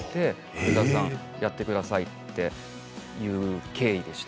柿澤さんやってくださいっていう経緯です。